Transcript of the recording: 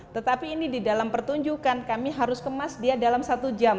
tetapi ini di dalam pertunjukan kami harus kemas dia dalam satu jam